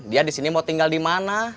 dia di sini mau tinggal dimana